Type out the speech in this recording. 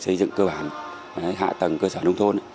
xây dựng cơ bản hạ tầng cơ sở nông thôn